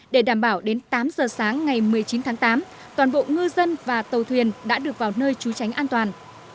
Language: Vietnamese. để đảm bảo đến tám giờ sáng ngày một mươi chín tháng tám toàn bộ ngư dân và tàu thuyền đã được vào nơi trú tránh an toàn